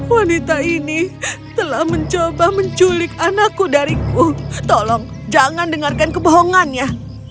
wanita ini telah mencoba menculik anakku dariku tolong jangan dengarkan kebohongannya